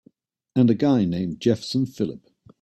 And a guy named Jefferson Phillip.